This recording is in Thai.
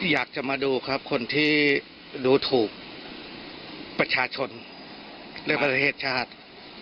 อยากจะมาดูครับคนที่ดูถูกประชาชนและประเทศชาติ